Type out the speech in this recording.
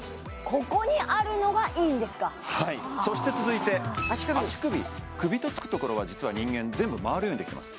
ここにあるのがいいんですかはいそして続いて足首首とつくところは実は人間全部回るようにできてます